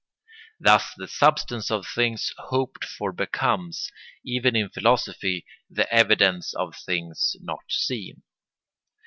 Thus the substance of things hoped for becomes, even in philosophy, the evidence of things not seen.